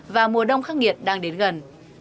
và mùa đông khắc nghiệt đang đến gần